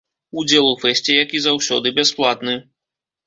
Удзел у фэсце, як і заўсёды, бясплатны.